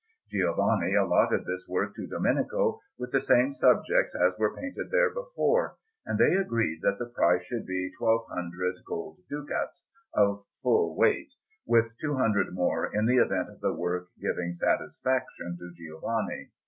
Giovanni allotted this work to Domenico, with the same subjects as were painted there before; and they agreed that the price should be 1,200 gold ducats of full weight, with 200 more in the event of the work giving satisfaction to Giovanni.